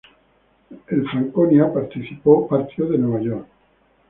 El "Franconia" partió de Nueva York.